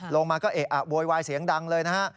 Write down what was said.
ลงมาก็เอะอะโวยวายเสียงดังเลยนะฮะ